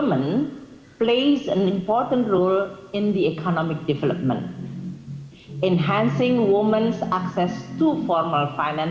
menguasai akses perempuan ke perusahaan finansial formal